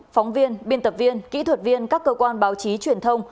phóng viên biên tập viên kỹ thuật viên các cơ quan báo chí truyền thông